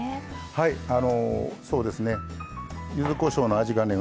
はいそうですねゆずこしょうの味がね